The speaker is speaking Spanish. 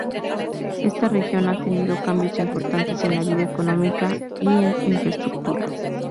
Esta región ha tenido cambios importantes en la vida económica y en infraestructura.